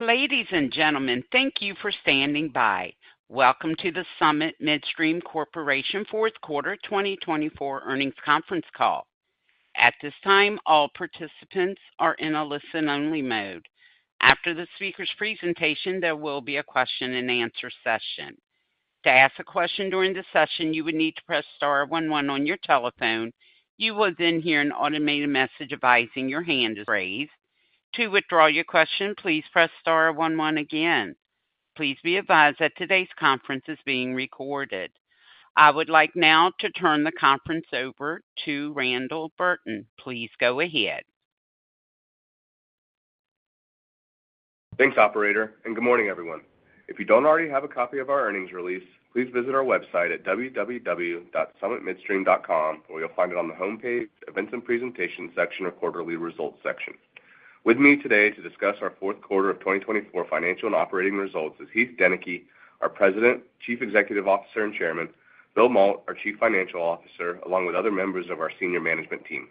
Ladies and gentlemen, thank you for standing by. Welcome to the Summit Midstream Corporation Fourth Quarter 2024 earnings conference call. At this time, all participants are in a listen-only mode. After the speaker's presentation, there will be a question-and-answer session. To ask a question during the session, you would need to press star one one on your telephone. You will then hear an automated message advising your hand is raised. To withdraw your question, please press star one one again. Please be advised that today's conference is being recorded. I would like now to turn the conference over to Randall Burton. Please go ahead. Thanks, operator, and good morning, everyone. If you don't already have a copy of our earnings release, please visit our website at www.summitmidstream.com, where you'll find it on the homepage, events and presentations section, or quarterly results section. With me today to discuss our fourth quarter of 2024 financial and operating results is Heath Deneke, our President, Chief Executive Officer, and Chairman; William Mault, our Chief Financial Officer, along with other members of our senior management team.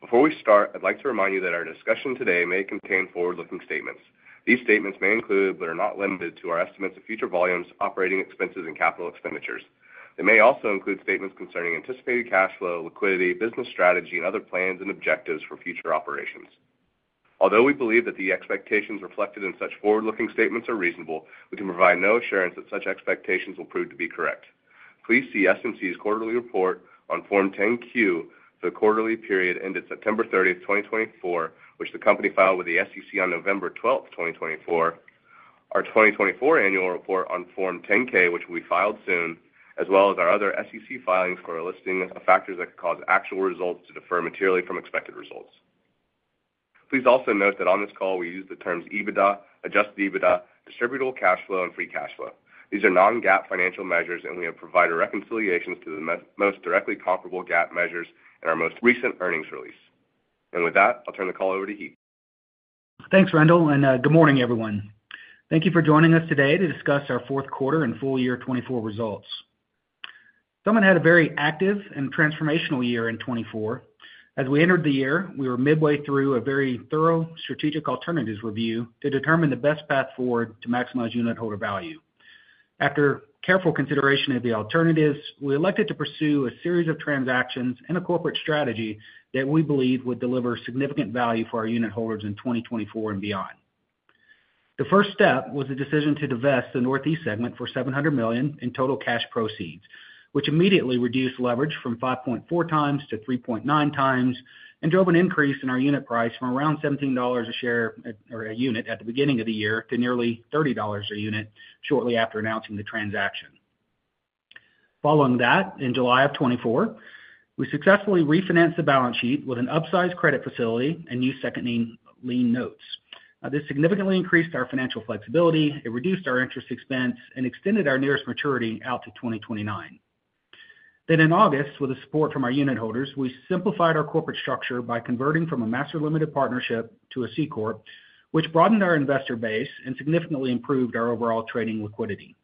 Before we start, I'd like to remind you that our discussion today may contain forward-looking statements. These statements may include, but are not limited to, our estimates of future volumes, operating expenses, and capital expenditures. They may also include statements concerning anticipated cash flow, liquidity, business strategy, and other plans and objectives for future operations. Although we believe that the expectations reflected in such forward-looking statements are reasonable, we can provide no assurance that such expectations will prove to be correct. Please see Summit Midstream Corporation's quarterly report on Form 10-Q for the quarterly period ended September 30th, 2024, which the company filed with the SEC on November 12th, 2024, our 2024 annual report on Form 10-K, which will be filed soon, as well as our other SEC filings for a listing of factors that could cause actual results to differ materially from expected results. Please also note that on this call, we use the terms EBITDA, adjusted EBITDA, distributable cash flow, and free cash flow. These are non-GAAP financial measures, and we have provided reconciliations to the most directly comparable GAAP measures in our most recent earnings release. With that, I'll turn the call over to Heath. Thanks, Randall, and good morning, everyone. Thank you for joining us today to discuss our fourth quarter and full year 2024 results. Summit had a very active and transformational year in 2024. As we entered the year, we were midway through a very thorough strategic alternatives review to determine the best path forward to maximize unit holder value. After careful consideration of the alternatives, we elected to pursue a series of transactions and a corporate strategy that we believed would deliver significant value for our unit holders in 2024 and beyond. The first step was the decision to divest the Northeast segment for $700 million in total cash proceeds, which immediately reduced leverage from 5.4x-3.9x and drove an increase in our unit price from around $17 a share or a unit at the beginning of the year to nearly $30 a unit shortly after announcing the transaction. Following that, in July of 2024, we successfully refinanced the balance sheet with an upsized credit facility and used second lien notes. This significantly increased our financial flexibility, it reduced our interest expense, and extended our nearest maturity out to 2029. In August, with the support from our unit holders, we simplified our corporate structure by converting from a master limited partnership to a C-corp, which broadened our investor base and significantly improved our overall trading liquidity.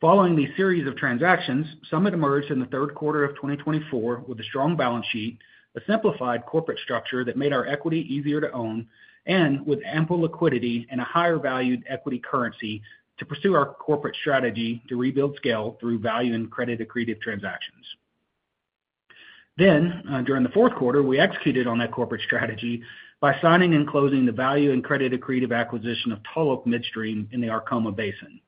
Following these series of transactions, Summit emerged in the third quarter of 2024 with a strong balance sheet, a simplified corporate structure that made our equity easier to own, and with ample liquidity and a higher valued equity currency to pursue our corporate strategy to rebuild scale through value and credit accretive transactions. During the fourth quarter, we executed on that corporate strategy by signing and closing the value and credit accretive acquisition of Tall Oak Midstream in the Arkoma Basin.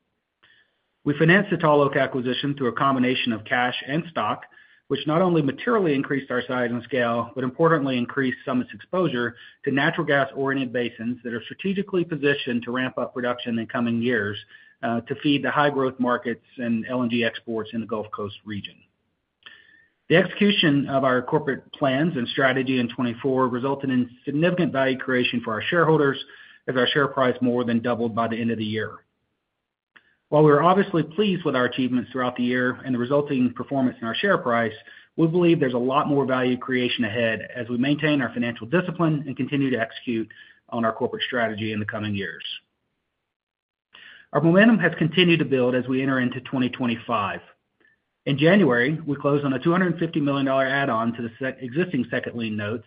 We financed the Tall Oak acquisition through a combination of cash and stock, which not only materially increased our size and scale, but importantly increased Summit's exposure to natural gas-oriented basins that are strategically positioned to ramp up production in coming years to feed the high-growth markets and LNG exports in the Gulf Coast region. The execution of our corporate plans and strategy in 2024 resulted in significant value creation for our shareholders as our share price more than doubled by the end of the year. While we were obviously pleased with our achievements throughout the year and the resulting performance in our share price, we believe there's a lot more value creation ahead as we maintain our financial discipline and continue to execute on our corporate strategy in the coming years. Our momentum has continued to build as we enter into 2025. In January, we closed on a $250 million add-on to the existing second lien notes,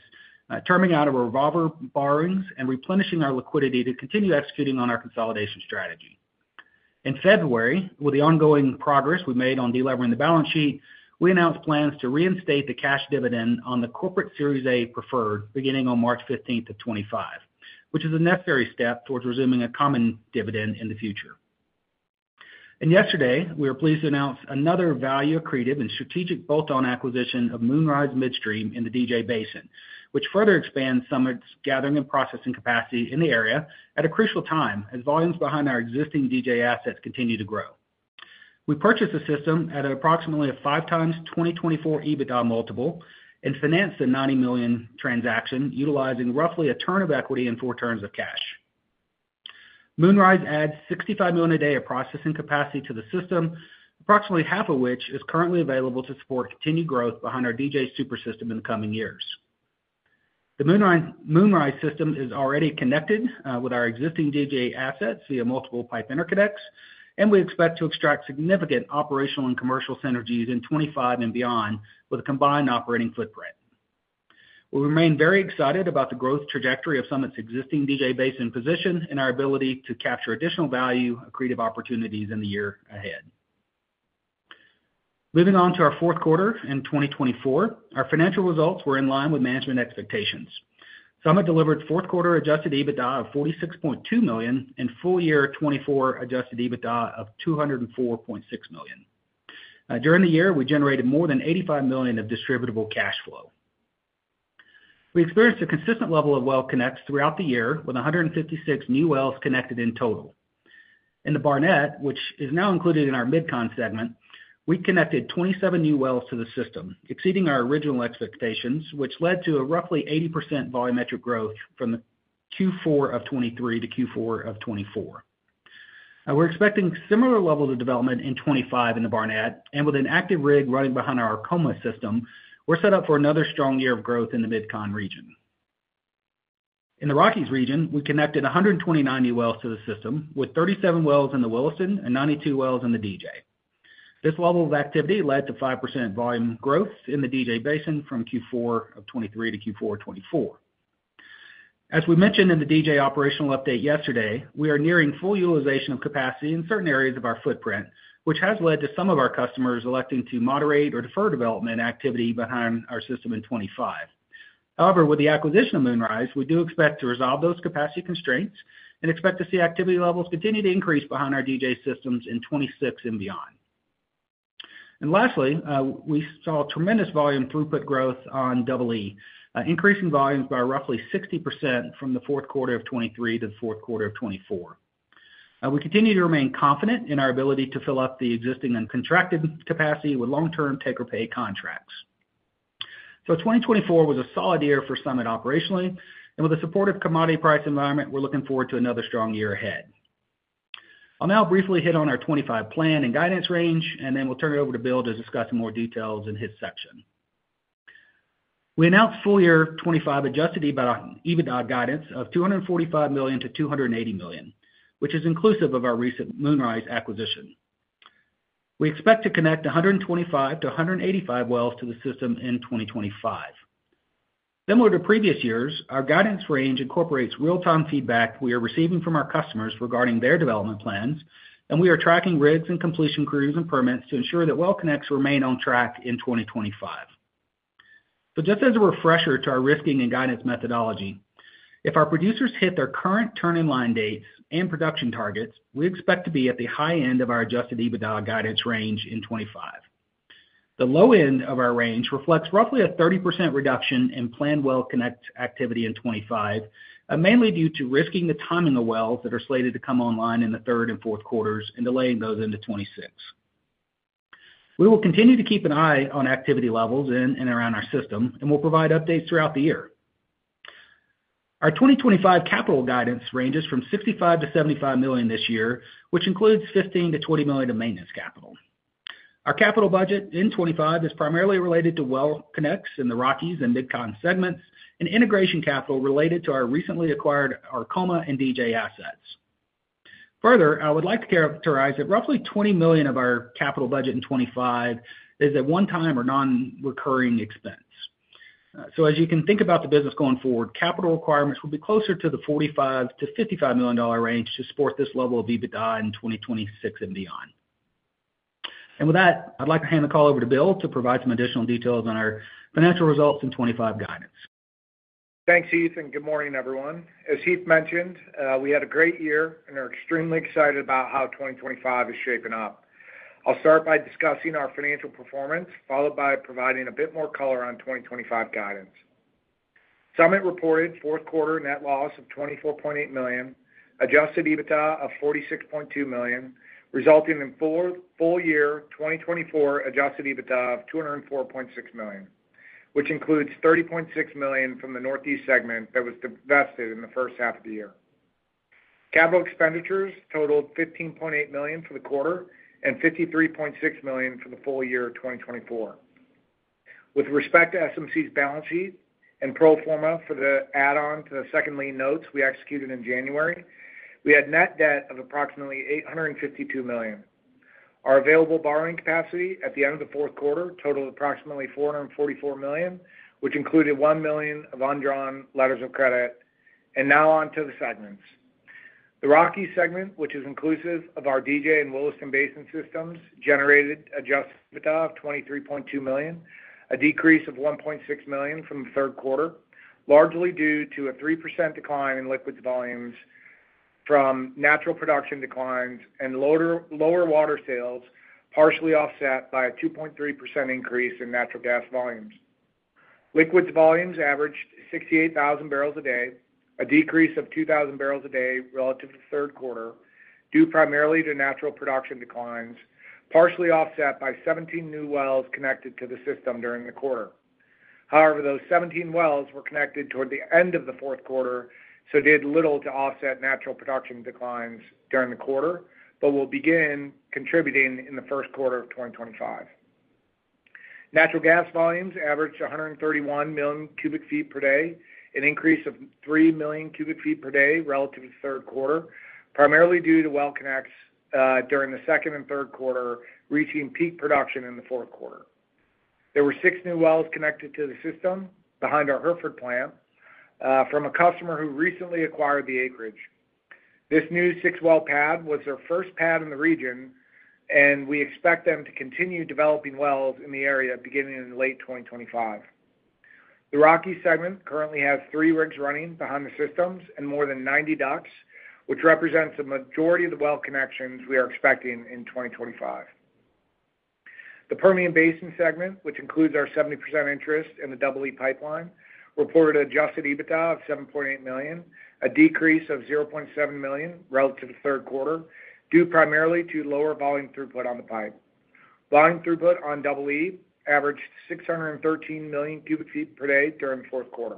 terminating our revolver borrowings and replenishing our liquidity to continue executing on our consolidation strategy. In February, with the ongoing progress we made on delivering the balance sheet, we announced plans to reinstate the cash dividend on the corporate Series A preferred beginning on March 15th of 2025, which is a necessary step towards resuming a common dividend in the future. Yesterday, we were pleased to announce another value accretive and strategic bolt-on acquisition of Moonrise Midstream in the DJ Basin, which further expands Summit's gathering and processing capacity in the area at a crucial time as volumes behind our existing DJ assets continue to grow. We purchased the system at approximately a 5x 2024 EBITDA multiple and financed the $90 million transaction utilizing roughly a turn of equity and four turns of cash. Moonrise adds $65 million a day of processing capacity to the system, approximately half of which is currently available to support continued growth behind our DJ super system in the coming years. The Moonrise system is already connected with our existing DJ assets via multiple pipe interconnects, and we expect to extract significant operational and commercial synergies in 2025 and beyond with a combined operating footprint. We remain very excited about the growth trajectory of Summit's existing DJ Basin position and our ability to capture additional value accretive opportunities in the year ahead. Moving on to our fourth quarter in 2024, our financial results were in line with management expectations. Summit delivered fourth quarter adjusted EBITDA of $46.2 million and full year 2024 adjusted EBITDA of $204.6 million. During the year, we generated more than $85 million of distributable cash flow. We experienced a consistent level of well connects throughout the year with 156 new wells connected in total. In the Barnett, which is now included in our Mid-Con segment, we connected 27 new wells to the system, exceeding our original expectations, which led to a roughly 80% volumetric growth from Q4 of 2023 to Q4 of 2024. We're expecting a similar level of development in 2025 in the Barnett, and with an active rig running behind our Arkoma system, we're set up for another strong year of growth in the Mid-Con region. In the Rockies region, we connected 129 new wells to the system with 37 wells in the Williston and 92 wells in the DJ. This level of activity led to 5% volume growth in the DJ Basin from Q4 of 2023 to Q4 of 2024. As we mentioned in the DJ operational update yesterday, we are nearing full utilization of capacity in certain areas of our footprint, which has led to some of our customers electing to moderate or defer development activity behind our system in 2025. However, with the acquisition of Moonrise, we do expect to resolve those capacity constraints and expect to see activity levels continue to increase behind our DJ systems in 2026 and beyond. Lastly, we saw tremendous volume throughput growth on Double E, increasing volumes by roughly 60% from the fourth quarter of 2023 to the fourth quarter of 2024. We continue to remain confident in our ability to fill up the existing and contracted capacity with long-term take-or-pay contracts. 2024 was a solid year for Summit operationally, and with the support of commodity price environment, we're looking forward to another strong year ahead. I'll now briefly hit on our 2025 plan and guidance range, and then we'll turn it over to William to discuss more details in his section. We announced full year 2025 adjusted EBITDA guidance of $245 million-$280 million, which is inclusive of our recent Moonrise acquisition. We expect to connect 125-185 wells to the system in 2025. Similar to previous years, our guidance range incorporates real-time feedback we are receiving from our customers regarding their development plans, and we are tracking rigs and completion crews and permits to ensure that well connects remain on track in 2025. Just as a refresher to our risking and guidance methodology, if our producers hit their current turn-in-line dates and production targets, we expect to be at the high end of our adjusted EBITDA guidance range in 2025. The low end of our range reflects roughly a 30% reduction in planned well connect activity in 2025, mainly due to risking the timing of wells that are slated to come online in the third and fourth quarters and delaying those into 2026. We will continue to keep an eye on activity levels in and around our system, and we'll provide updates throughout the year. Our 2025 capital guidance ranges from $65 million-$75 million this year, which includes $15 million-$20 million of maintenance capital. Our capital budget in 2025 is primarily related to well connects in the Rockies and Mid-Con segments and integration capital related to our recently acquired Arkoma and DJ assets. Further, I would like to characterize that roughly $20 million of our capital budget in 2025 is a one-time or non-recurring expense. As you can think about the business going forward, capital requirements will be closer to the $45-$55 million range to support this level of EBITDA in 2026 and beyond. With that, I'd like to hand the call over to William to provide some additional details on our financial results and 2025 guidance. Thanks, Heath, and good morning, everyone. As Heath mentioned, we had a great year and are extremely excited about how 2025 is shaping up. I'll start by discussing our financial performance, followed by providing a bit more color on 2025 guidance. Summit reported fourth quarter net loss of $24.8 million, adjusted EBITDA of $46.2 million, resulting in full year 2024 adjusted EBITDA of $204.6 million, which includes $30.6 million from the Northeast segment that was divested in the first half of the year. Capital expenditures totaled $15.8 million for the quarter and $53.6 million for the full year 2024. With respect to SMC's balance sheet and pro forma for the add-on to the second lien notes we executed in January, we had net debt of approximately $852 million. Our available borrowing capacity at the end of the fourth quarter totaled approximately $444 million, which included $1 million of undrawn letters of credit, and now on to the segments. The Rockies segment, which is inclusive of our DJ and Williston Basin systems, generated adjusted EBITDA of $23.2 million, a decrease of $1.6 million from the third quarter, largely due to a 3% decline in liquids volumes from natural production declines and lower water sales, partially offset by a 2.3% increase in natural gas volumes. Liquids volumes averaged 68,000 barrels a day, a decrease of 2,000 barrels a day relative to the third quarter, due primarily to natural production declines, partially offset by 17 new wells connected to the system during the quarter. However, those 17 wells were connected toward the end of the fourth quarter, so did little to offset natural production declines during the quarter, but will begin contributing in the first quarter of 2025. Natural gas volumes averaged 131 million cubic feet per day, an increase of 3 million cubic ft per day relative to the third quarter, primarily due to well connects during the second and third quarter reaching peak production in the fourth quarter. There were six new wells connected to the system behind our Hereford plant from a customer who recently acquired the acreage. This new six-well pad was their first pad in the region, and we expect them to continue developing wells in the area beginning in late 2025. The Rockies segment currently has three rigs running behind the systems and more than 90 DUCs, which represents the majority of the well connections we are expecting in 2025. The Permian Basin segment, which includes our 70% interest in the Double E Pipeline, reported adjusted EBITDA of $7.8 million, a decrease of $0.7 million relative to the third quarter, due primarily to lower volume throughput on the pipe. Volume throughput on Double E averaged 613 million cubic ft per day during the fourth quarter.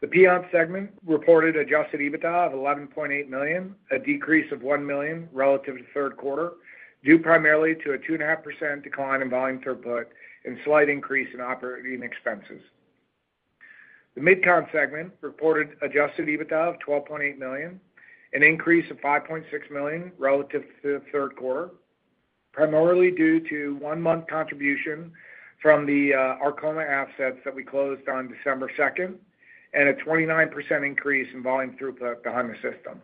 The Piceance segment reported adjusted EBITDA of $11.8 million, a decrease of $1 million relative to the third quarter, due primarily to a 2.5% decline in volume throughput and slight increase in operating expenses. The Mid-Con segment reported adjusted EBITDA of $12.8 million, an increase of $5.6 million relative to the third quarter, primarily due to one-month contribution from the Arkoma assets that we closed on December 2nd and a 29% increase in volume throughput behind the system.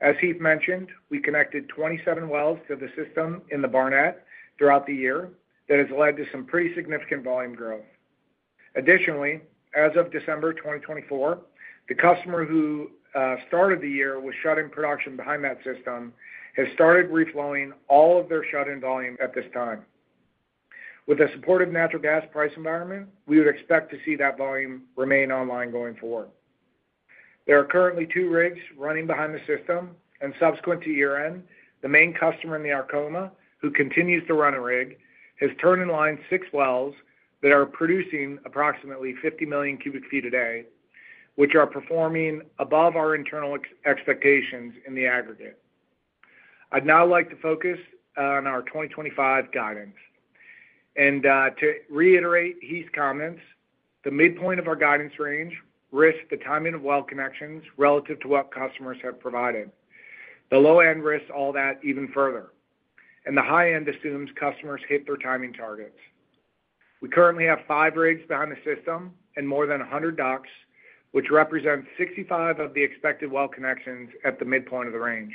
As Heath mentioned, we connected 27 wells to the system in the Barnett throughout the year. That has led to some pretty significant volume growth. Additionally, as of December 2024, the customer who started the year with shut-in production behind that system has started reflowing all of their shut-in volume at this time. With the support of natural gas price environment, we would expect to see that volume remain online going forward. There are currently two rigs running behind the system, and subsequent to year-end, the main customer in the Arkoma who continues to run a rig has turned in line six wells that are producing approximately 50 million cubic feet a day, which are performing above our internal expectations in the aggregate. I would now like to focus on our 2025 guidance. To reiterate Heath's comments, the midpoint of our guidance range risks the timing of well connections relative to what customers have provided. The low-end risks all that even further, and the high-end assumes customers hit their timing targets. We currently have five rigs behind the system and more than 100 DUCs, which represents 65 of the expected well connections at the midpoint of the range.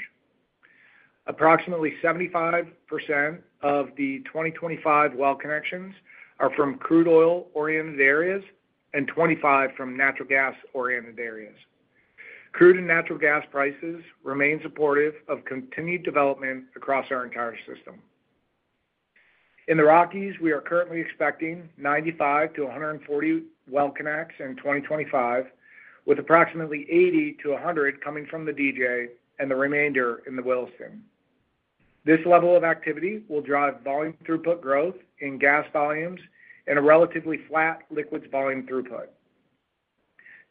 Approximately 75% of the 2025 well connections are from crude oil-oriented areas and 25% from natural gas-oriented areas. Crude and natural gas prices remain supportive of continued development across our entire system. In the Rockies, we are currently expecting 95-140 well connects in 2025, with approximately 80-100 coming from the DJ and the remainder in the Williston. This level of activity will drive volume throughput growth in gas volumes and a relatively flat liquids volume throughput.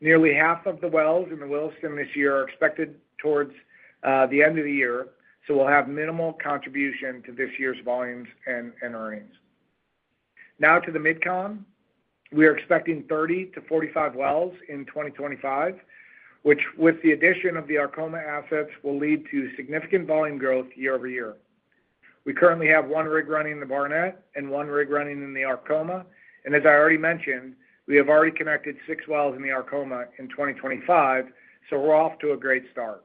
Nearly half of the wells in the Williston this year are expected towards the end of the year, so we'll have minimal contribution to this year's volumes and earnings. Now to the Mid-Con. We are expecting 30-45 wells in 2025, which with the addition of the Arkoma assets will lead to significant volume growth year-over-year. We currently have one rig running in the Barnett and one rig running in the Arkoma. As I already mentioned, we have already connected six wells in the Arkoma in 2025, so we're off to a great start.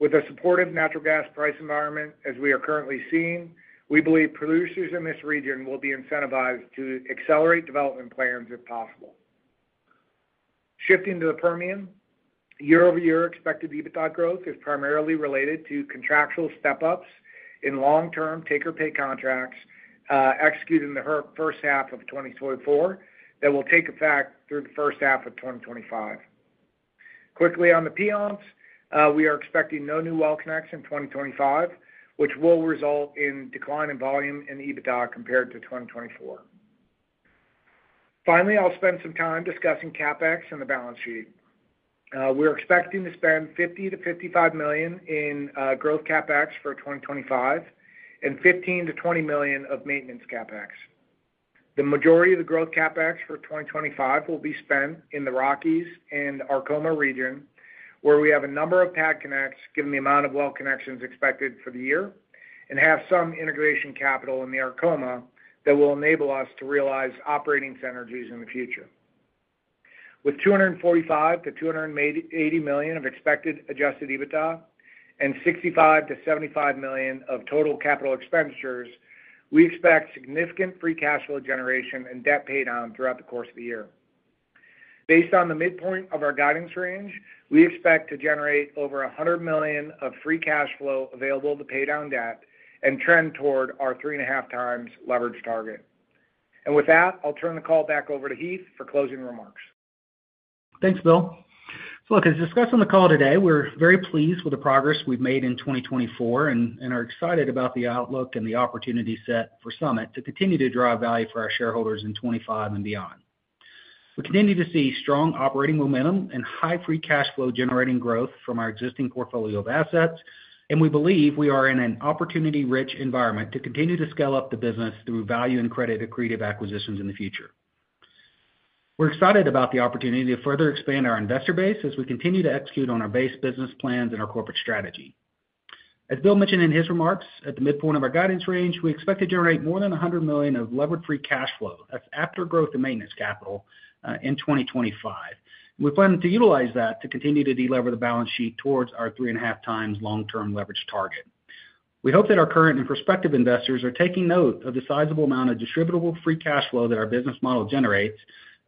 With a supportive natural gas price environment as we are currently seeing, we believe producers in this region will be incentivized to accelerate development plans if possible. Shifting to the Permian, year-over-year expected EBITDA growth is primarily related to contractual step-ups in long-term take-or-pay contracts executed in the first half of 2024 that will take effect through the first half of 2025. Quickly on the Piceance, we are expecting no new well connects in 2025, which will result in a decline in volume and EBITDA compared to 2024. Finally, I'll spend some time discussing CapEx and the balance sheet. We're expecting to spend $50-$55 million in growth CapEx for 2025 and $15-$20 million of maintenance CapEx. The majority of the growth CapEx for 2025 will be spent in the Rockies and Arkoma region, where we have a number of pad connects given the amount of well connections expected for the year and have some integration capital in the Arkoma that will enable us to realize operating synergies in the future. With $245-$280 million of expected adjusted EBITDA and $65-$75 million of total capital expenditures, we expect significant free cash flow generation and debt paydown on throughout the course of the year. Based on the midpoint of our guidance range, we expect to generate over $100 million of free cash flow available to pay down debt and trend toward our 3.5x leverage target. With that, I'll turn the call back over to Heath for closing remarks. Thanks, William. Look, as discussed on the call today, we're very pleased with the progress we've made in 2024 and are excited about the outlook and the opportunity set for Summit to continue to drive value for our shareholders in 2025 and beyond. We continue to see strong operating momentum and high free cash flow generating growth from our existing portfolio of assets, and we believe we are in an opportunity-rich environment to continue to scale up the business through value and credit accretive acquisitions in the future. We're excited about the opportunity to further expand our investor base as we continue to execute on our base business plans and our corporate strategy. As William mentioned in his remarks, at the midpoint of our guidance range, we expect to generate more than $100 million of levered free cash flow. That's after growth and maintenance capital in 2025. We plan to utilize that to continue to delever the balance sheet towards our 3.5 times long-term leverage target. We hope that our current and prospective investors are taking note of the sizable amount of distributable free cash flow that our business model generates,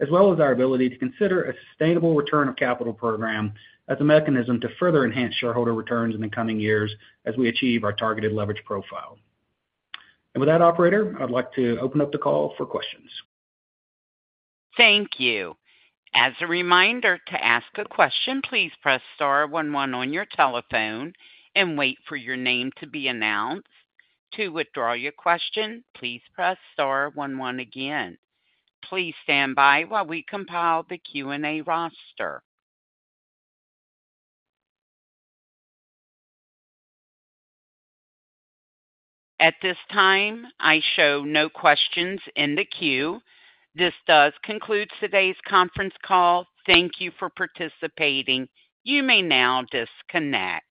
as well as our ability to consider a sustainable return of capital program as a mechanism to further enhance shareholder returns in the coming years as we achieve our targeted leverage profile. With that, operator, I'd like to open up the call for questions. Thank you. As a reminder, to ask a question, please press star one one on your telephone and wait for your name to be announced. To withdraw your question, please press star one one again. Please stand by while we compile the Q&A roster. At this time, I show no questions in the queue. This does conclude today's conference call. Thank you for participating. You may now disconnect.